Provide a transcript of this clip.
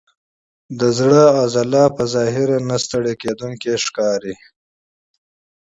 د زړه عضله په ظاهره نه ستړی کېدونکې ښکاري.